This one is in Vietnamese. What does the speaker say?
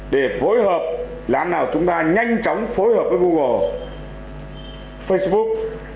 để phối hợp làm nào chúng ta nhanh chóng phối hợp với google facebook